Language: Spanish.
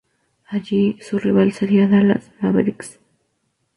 Allí su rival sería Dallas Mavericks.